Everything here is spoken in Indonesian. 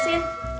si yanti bener tat